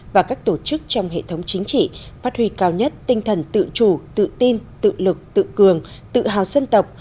và các tổ chức trong hệ thống chính trị phát huy cao nhất tinh thần tự chủ tự tin tự lực tự cường tự hào dân tộc